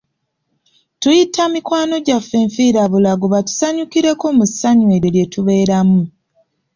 Tuyita mikwano gyaffe nfiirabulago batusanyukireko mu ssanyu eryo lye tubeeramu.